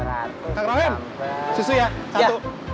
kang rohim susu ya